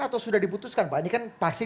atau sudah diputuskan pak ini kan pasti